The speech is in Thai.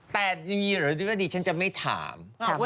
แต่อย่างนี้หรืออย่างนี้ก็ดีฉันจะไม่ถาม